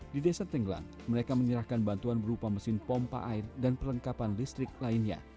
di desa tenggelan mereka menyerahkan bantuan berupa mesin pompa air dan perlengkapan listrik lainnya